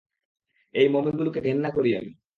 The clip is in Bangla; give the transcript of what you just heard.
এই মমিগুলোকে ঘেন্না করি আমি!